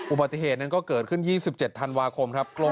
อุบัติเหตุนั้นก็เกิดขึ้น๒๗ธันวาคมครับ